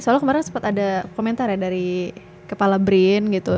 soalnya kemarin sempat ada komentar ya dari kepala brin gitu